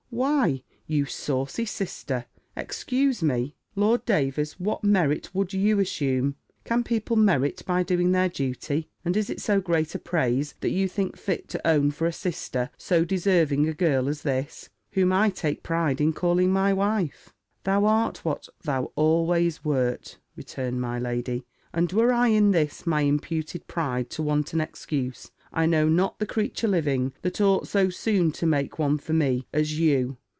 "Why, you saucy sister excuse me. Lord Davers what merit would you assume? Can people merit by doing their duty? And is it so great a praise, that you think fit to own for a sister so deserving a girl as this, whom I take pride in calling my wife?" "Thou art what thou always wert," returned my lady; "and were I in this my imputed pride to want an excuse, I know not the creature living, that ought so soon to make one for me, as you."